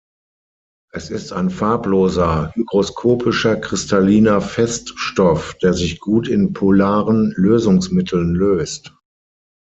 Es ist ein farbloser, hygroskopischer, kristalliner Feststoff, der sich gut in polaren Lösungsmitteln löst.